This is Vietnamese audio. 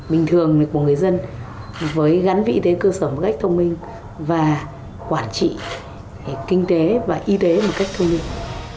mình thường là một người dân với gắn vị thế cơ sở một cách thông minh và quản trị kinh tế và y tế một cách thông minh